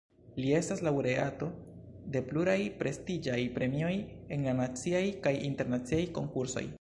Li estas laŭreato de pluraj prestiĝaj premioj en la naciaj kaj internaciaj konkursoj.